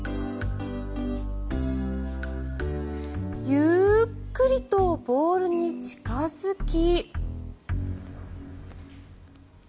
ゆっくりとボールに近付き。